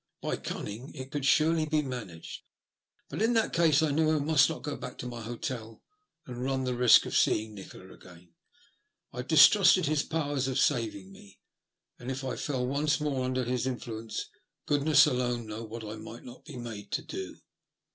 By cunning it could surely be managed. But in that case I knew I must not go back to my hotel, and run the risk of seeing Nikola again. I distrusted his powers of saving me ; and, if I fell once more under his influence, goodness alone knew what I might not be made to do.